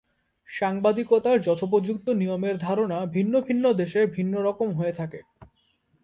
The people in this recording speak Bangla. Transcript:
সাংবাদিকতার যথোপযুক্ত নিয়মের ধারণা ভিন্ন ভিন্ন দেশে ভিন্ন রকম হয়ে থাকে।